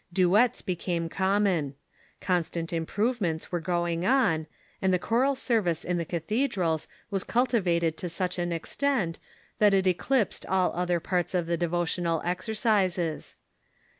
Duets became common. Constant improve ments were going on, and the choral service in the cathedrals was cultivated to such an extent that it eclipsed all other parts of the devotional exercises.